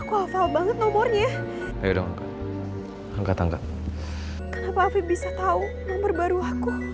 kenapa afif bisa tahu nomor baru aku